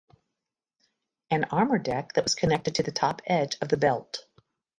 An armor deck that was connected to the top edge of the belt.